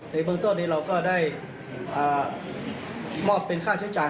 ในเบื้องต้นนี้เราก็ได้มอบเป็นค่าใช้จ่าย